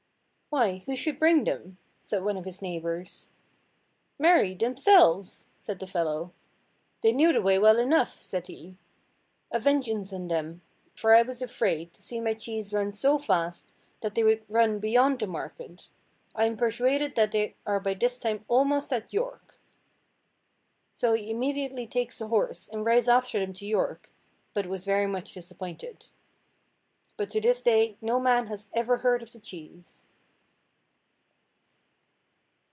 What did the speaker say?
"Why, who should bring them?" said one of his neighbours. "Marry, themselves!" said the fellow. "They knew the way well enough," said he. "A vengeance on them, for I was afraid, to see my cheese run so fast, that they would run beyond the market. I am persuaded that they are by this time almost at York." So he immediately takes a horse, and rides after them to York, but was very much disappointed. But to this day no man has ever heard of the cheese.